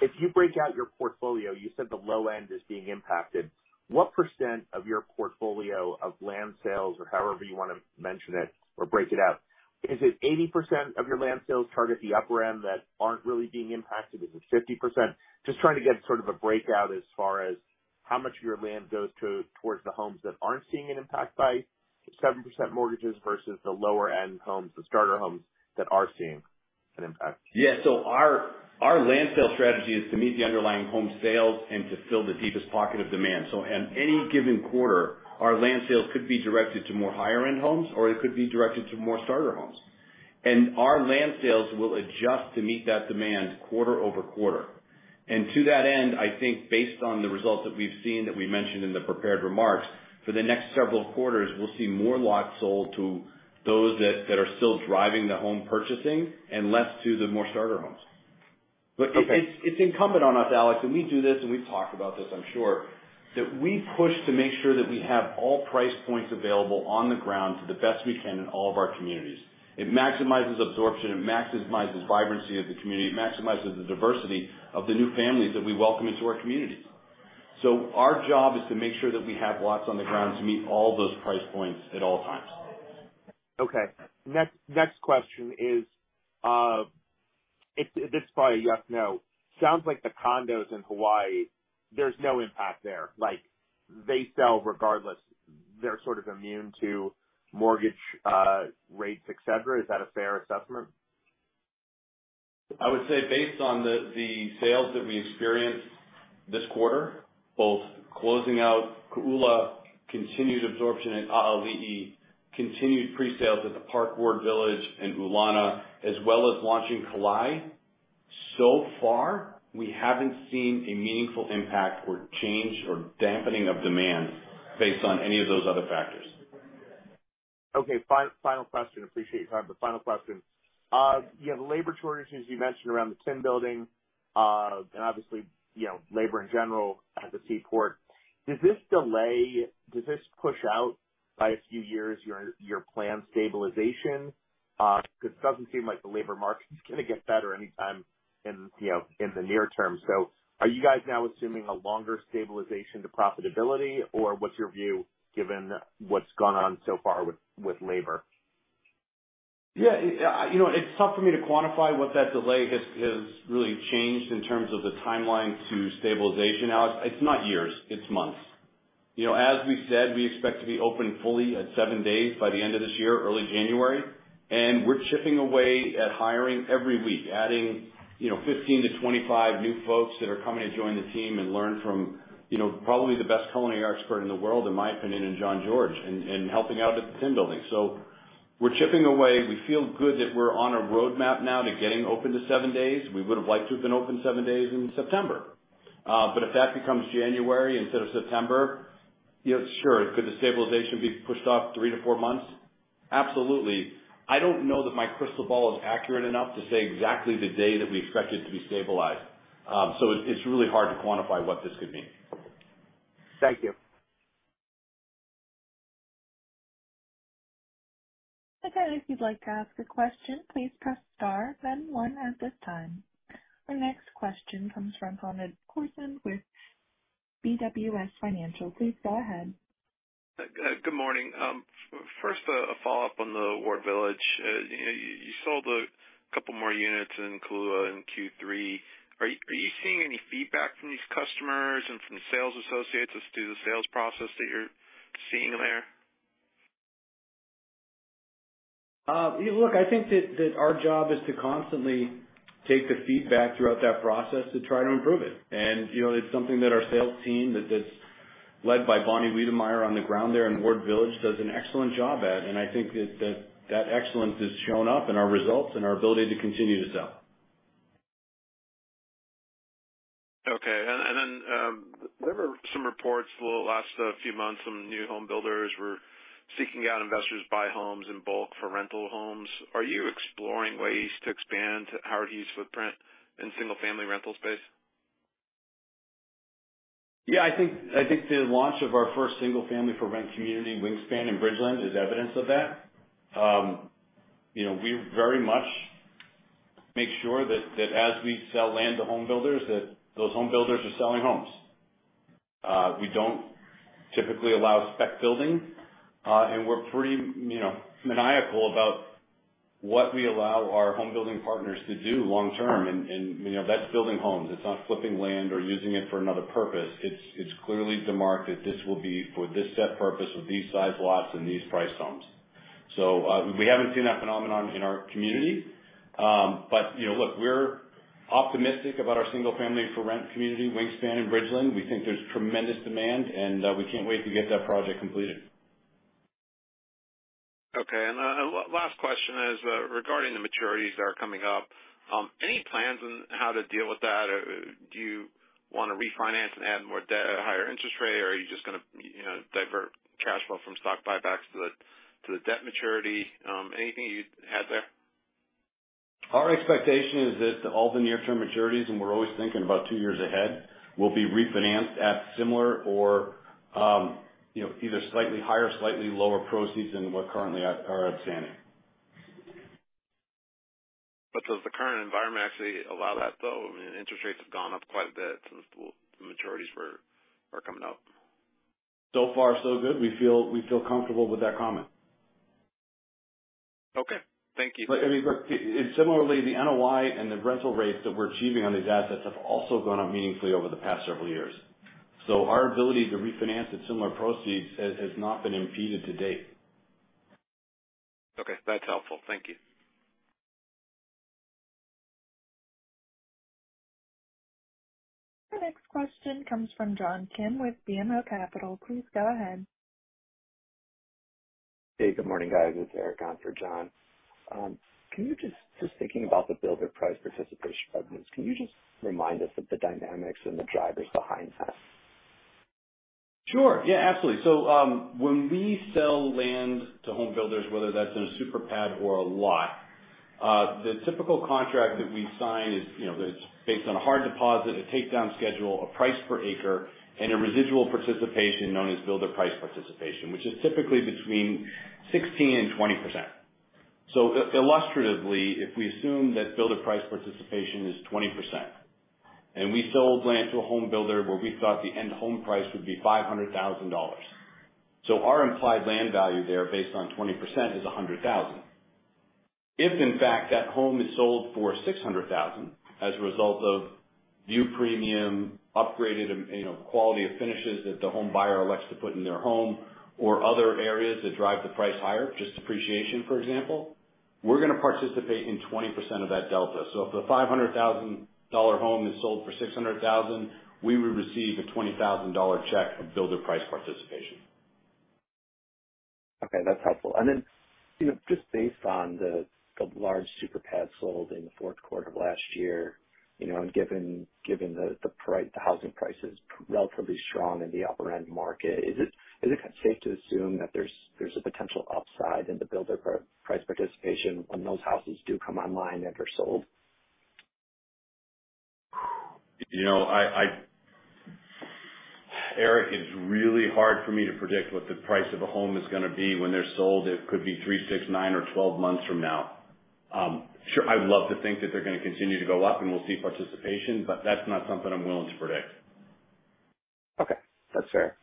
If you break out your portfolio, you said the low end is being impacted. What percent of your portfolio of land sales or however you wanna mention it or break it out, is it 80% of your land sales target the upper end that aren't really being impacted? Is it 50%? Just trying to get sort of a breakout as far as how much of your land goes towards the homes that aren't seeing an impact by 7% mortgages versus the lower end homes, the starter homes that are seeing an impact. Yeah. Our land sales strategy is to meet the underlying home sales and to fill the deepest pocket of demand. At any given quarter, our land sales could be directed to more higher end homes, or it could be directed to more starter homes. Our land sales will adjust to meet that demand quarter over quarter. To that end, I think based on the results that we've seen that we mentioned in the prepared remarks, for the next several quarters, we'll see more lots sold to those that are still driving the home purchasing and less to the more starter homes. Okay. Look, it's incumbent on us, Alex, and we do this and we've talked about this, I'm sure, that we push to make sure that we have all price points available on the ground to the best we can in all of our communities. It maximizes absorption, it maximizes vibrancy of the community, it maximizes the diversity of the new families that we welcome into our communities. Our job is to make sure that we have lots on the ground to meet all those price points at all times. Okay. Next question is, this is probably a yes/no. Sounds like the condos in Hawaii, there's no impact there. Like, they sell regardless. They're sort of immune to mortgage rates, et cetera. Is that a fair assessment? I would say based on the sales that we experienced this quarter, both closing out Ko'ula, continued absorption in Aalii, continued pre-sales at The Park Ward Village and Ulana, as well as launching Kalae, so far, we haven't seen a meaningful impact or change or dampening of demand based on any of those other factors. Okay. Final question. Appreciate your time, but final question. You have labor shortages you mentioned around the Tin Building, and obviously, you know, labor in general at the Seaport. Does this push out by a few years your planned stabilization? Because it doesn't seem like the labor market is gonna get better any time in, you know, in the near term. Are you guys now assuming a longer stabilization to profitability? Or what's your view given what's gone on so far with labor? Yeah, you know, it's tough for me to quantify what that delay has really changed in terms of the timeline to stabilization. Alex, it's not years, it's months. You know, as we said, we expect to be open fully at seven days by the end of this year, early January, and we're chipping away at hiring every week, adding, you know, 15 to 25 new folks that are coming to join the team and learn from, you know, probably the best culinary expert in the world, in my opinion, in Jean-Georges, and helping out at the Tin Building. So we're chipping away. We feel good that we're on a roadmap now to getting open to seven days. We would've liked to have been open seven days in September. But if that becomes January instead of September, you know, sure. Could the stabilization be pushed off three to four months? Absolutely. I don't know that my crystal ball is accurate enough to say exactly the day that we expect it to be stabilized. So it's really hard to quantify what this could mean. Thank you. Okay. If you'd like to ask a question, please press star then one at this time. The next question comes from Vahid Khorsand with BWS Financial. Please go ahead. Good morning. First, a follow-up on the Ward Village. You sold a couple more units in Ko'ula in Q3. Are you seeing any feedback from these customers and from the sales associates as to the sales process that you're seeing there? Look, I think that our job is to constantly take the feedback throughout that process to try to improve it. You know, it's something that our sales team that's led by Bonnie Wedemeyer on the ground there in Ward Village does an excellent job at. I think that excellence has shown up in our results and our ability to continue to sell. There were some reports for the last few months from new home builders who are seeking out investors to buy homes in bulk for rental homes. Are you exploring ways to expand to Howard Hughes footprint in single-family rental space? Yeah, I think the launch of our first single-family for rent community, Wingspan in Bridgeland, is evidence of that. You know, we very much make sure that as we sell land to home builders, that those home builders are selling homes. We don't typically allow spec building and we're pretty, you know, maniacal about what we allow our home building partners to do long term. You know, that's building homes. It's not flipping land or using it for another purpose. It's clearly the market. This will be for this set purpose with these size lots and these price homes. We haven't seen that phenomenon in our community. You know, look, we're optimistic about our single-family for rent community, Wingspan in Bridgeland. We think there's tremendous demand, and we can't wait to get that project completed. Okay. Last question is regarding the maturities that are coming up, any plans on how to deal with that? Or do you wanna refinance and add more debt at a higher interest rate? Or are you just gonna, you know, divert cash flow from stock buybacks to the debt maturity? Anything you had there? Our expectation is that all the near-term maturities, and we're always thinking about two years ahead, will be refinanced at similar or, you know, either slightly higher, slightly lower proceeds than what currently at are outstanding. Does the current environment actually allow that, though? I mean, interest rates have gone up quite a bit since the maturities are coming out. So far so good. We feel comfortable with that comment. Okay. Thank you. I mean, look, similarly, the NOI and the rental rates that we're achieving on these assets have also gone up meaningfully over the past several years. Our ability to refinance at similar proceeds has not been impeded to date. Okay. That's helpful. Thank you. The next question comes from John Kim with BMO Capital Markets. Please go ahead. Hey, good morning, guys. It's Eric on for John. Just thinking about the builder price participation revenues, can you just remind us of the dynamics and the drivers behind that? Sure. Yeah, absolutely. When we sell land to home builders, whether that's in a super pad or a lot, the typical contract that we sign is, you know, it's based on a hard deposit, a takedown schedule, a price per acre, and a residual participation known as builder price participation, which is typically between 16% and 20%. Illustratively, if we assume that builder price participation is 20%, and we sold land to a home builder where we thought the end home price would be $500,000. Our implied land value there, based on 20%, is $100,000. If in fact that home is sold for $600,000 as a result of view premium, upgraded, you know, quality of finishes that the home buyer elects to put in their home or other areas that drive the price higher, just appreciation, for example, we're gonna participate in 20% of that delta. If the $500,000 home is sold for $600,000, we would receive a $20,000 check from builder price participation. Okay. That's helpful. You know, just based on the large super pads sold in the fourth quarter of last year, you know, and given the housing prices relatively strong in the upper-end market, is it kind of safe to assume that there's a potential upside in the builder price participation when those houses do come online after sold? You know, Eric, it's really hard for me to predict what the price of a home is gonna be when they're sold. It could be three, six, nine or twelve months from now. Sure, I would love to think that they're gonna continue to go up and we'll see participation, but that's not something I'm willing to predict. Okay, that's fair.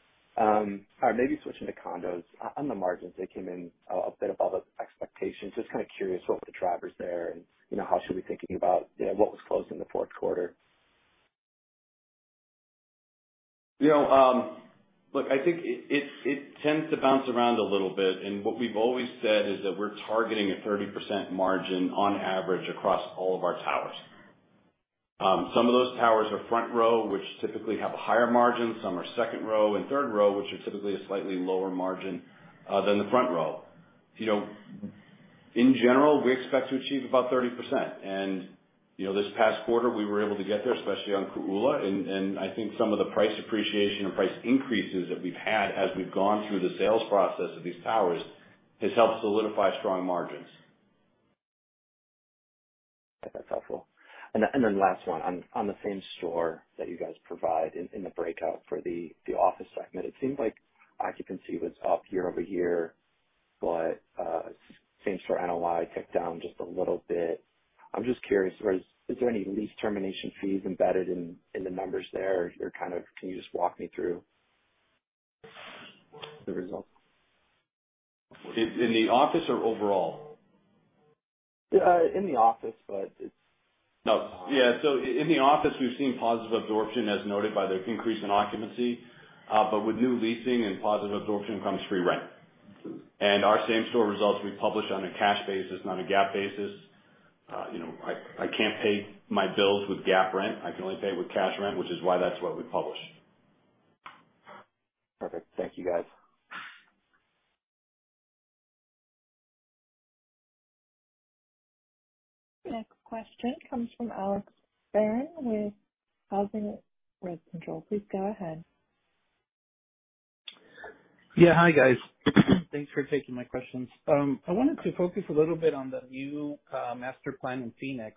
Maybe switching to condos. On the margins, they came in a bit above expectations. Just kind of curious what were the drivers there and, you know, how should we be thinking about, you know, what was closed in the fourth quarter? You know, look, I think it tends to bounce around a little bit. What we've always said is that we're targeting a 30% margin on average across all of our towers. Some of those towers are front row, which typically have a higher margin. Some are second row and third row, which are typically a slightly lower margin than the front row. You know, in general, we expect to achieve about 30%. You know, this past quarter we were able to get there, especially on Ko'ula. I think some of the price appreciation or price increases that we've had as we've gone through the sales process of these towers has helped solidify strong margins. That's helpful. Last one. On the same-store that you guys provide in the breakout for the office segment, it seems like occupancy was up year-over-year, but same-store NOI ticked down just a little bit. I'm just curious, is there any lease termination fees embedded in the numbers there? Or kind of, can you just walk me through the results? In the office or overall? In the office, but it's. No. Yeah. In the office, we've seen positive absorption as noted by the increase in occupancy. With new leasing and positive absorption comes free rent. Our same store results we publish on a cash basis, not a GAAP basis. You know, I can't pay my bills with GAAP rent. I can only pay with cash rent, which is why that's what we publish. Perfect. Thank you, guys. Next question comes from Alex Barron with Housing Research Center. Please go ahead. Yeah. Hi, guys. Thanks for taking my questions. I wanted to focus a little bit on the new master plan in Phoenix.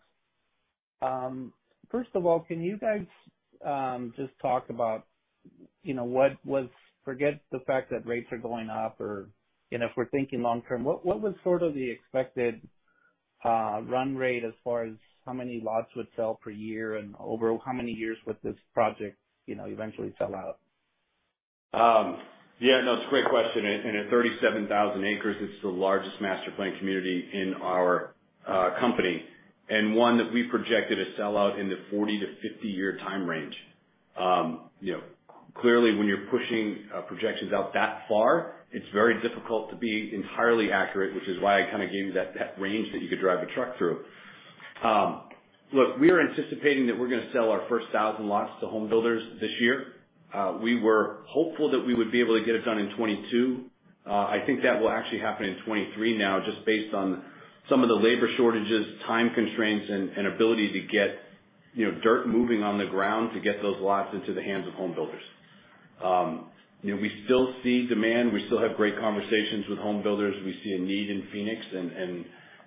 First of all, can you guys just talk about, you know, forget the fact that rates are going up or, you know, if we're thinking long term, what was sort of the expected run rate as far as how many lots would sell per year and over how many years would this project, you know, eventually sell out? Yeah, no, it's a great question. At 37,000 acres, it's the largest master-planned community in our company, and one that we projected to sell out in the 40-50 year time range. You know, clearly when you're pushing projections out that far, it's very difficult to be entirely accurate, which is why I kind of gave you that range that you could drive a truck through. Look, we are anticipating that we're gonna sell our first 1,000 lots to home builders this year. We were hopeful that we would be able to get it done in 2022. I think that will actually happen in 2023 now, just based on some of the labor shortages, time constraints and ability to get, you know, dirt moving on the ground to get those lots into the hands of home builders. You know, we still see demand. We still have great conversations with home builders. We see a need in Phoenix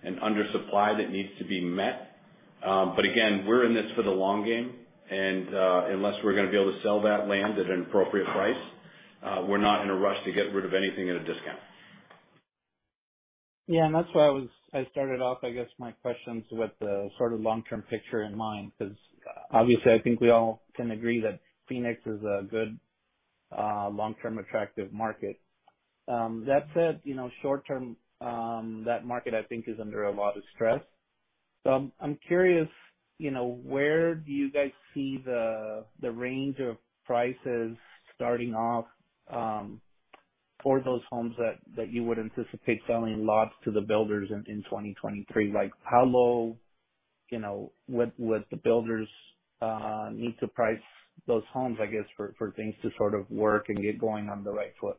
and undersupply that needs to be met. Again, we're in this for the long game. Unless we're gonna be able to sell that land at an appropriate price, we're not in a rush to get rid of anything at a discount. Yeah, that's why I started off, I guess, my questions with the sort of long-term picture in mind, because obviously I think we all can agree that Phoenix is a good long-term attractive market. That said, you know, short term, that market I think is under a lot of stress. I'm curious, you know, where do you guys see the range of prices starting off for those homes that you would anticipate selling lots to the builders in 2023? Like, how low, you know, would the builders need to price those homes, I guess, for things to sort of work and get going on the right foot?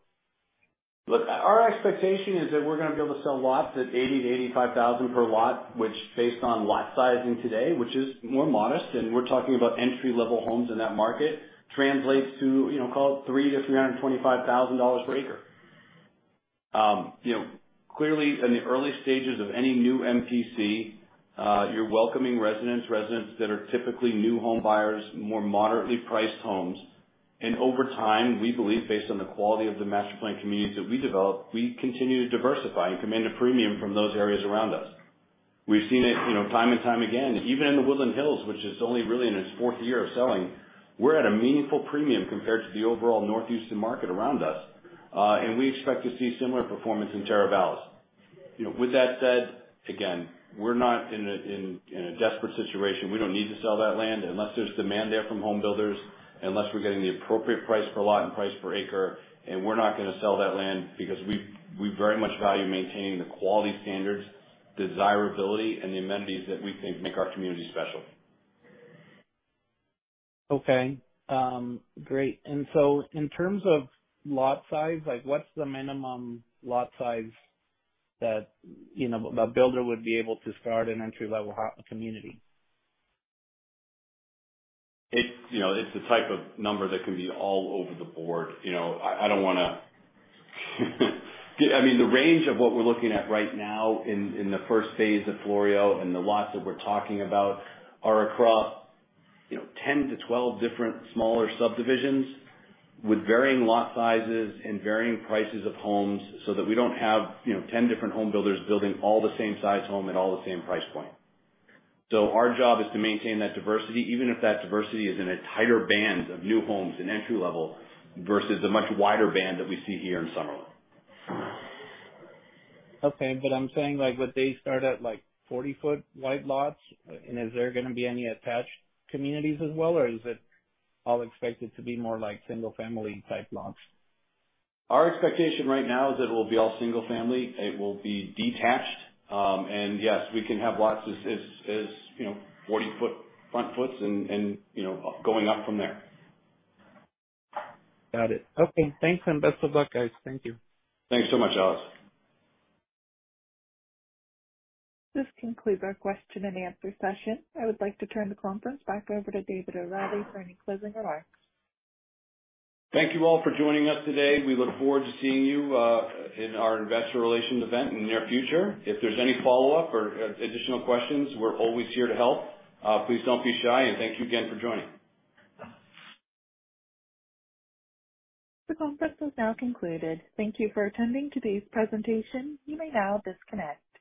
Look, our expectation is that we're gonna be able to sell lots at $80,000-$85,000 per lot, which based on lot sizing today, which is more modest, and we're talking about entry-level homes in that market, translates to, you know, call it $300,000-$325,000 per acre. You know, clearly in the early stages of any new MPC, you're welcoming residents that are typically new home buyers, more moderately priced homes. Over time, we believe based on the quality of the master planned communities that we develop, we continue to diversify and command a premium from those areas around us. We've seen it, you know, time and time again. Even in The Woodlands, which is only really in its fourth year of selling, we're at a meaningful premium compared to the overall North Houston market around us. We expect to see similar performance in Teravalis. You know, with that said, again, we're not in a desperate situation. We don't need to sell that land. Unless there's demand there from home builders, unless we're getting the appropriate price per lot and price per acre, and we're not gonna sell that land because we very much value maintaining the quality standards, desirability, and the amenities that we think make our community special. Okay. Great. In terms of lot size, like what's the minimum lot size that, you know, a builder would be able to start an entry-level community? It's you know, it's the type of number that can be all over the board. You know, I don't wanna. I mean, the range of what we're looking at right now in the first phase of Floreo and the lots that we're talking about are across, you know, 10-12 different smaller subdivisions with varying lot sizes and varying prices of homes so that we don't have, you know, 10 different home builders building all the same size home at all the same price point. Our job is to maintain that diversity, even if that diversity is in a tighter band of new homes and entry level versus the much wider band that we see here in Summerlin. Okay. I'm saying like, would they start at like 40 foot wide lots? Is there gonna be any attached communities as well, or is it all expected to be more like single family type lots? Our expectation right now is it'll be all single family. It will be detached. Yes, we can have lots as you know, 40-foot front foot and you know, going up from there. Got it. Okay. Thanks, and best of luck, guys. Thank you. Thanks so much, Alex. This concludes our question and answer session. I would like to turn the conference back over to David O'Reilly for any closing remarks. Thank you all for joining us today. We look forward to seeing you in our investor relations event in the near future. If there's any follow-up or additional questions, we're always here to help. Please don't be shy. Thank you again for joining. The conference is now concluded. Thank you for attending today's presentation. You may now disconnect.